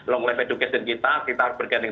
long life education kita kita bergantian